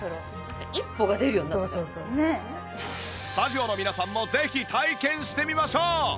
スタジオの皆さんもぜひ体験してみましょう！